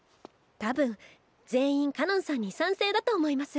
多分全員かのんさんに賛成だと思います。